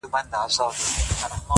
نن شپه د ټول كور چوكيداره يمه”